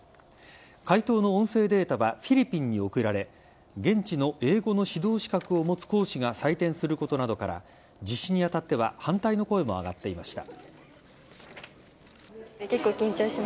解答の音声データはフィリピンに送られ現地の英語の指導資格を持つ講師が採点することなどから実施にあたっては反対の声も上がっていました。